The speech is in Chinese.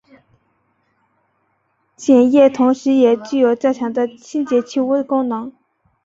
碱液同时也具有较强的清洁去污功能。